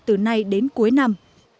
từ nay đến cuối năm